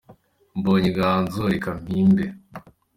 Mbonye inganzo reka mpimbe